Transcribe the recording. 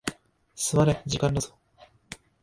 座れ、時間だぞ。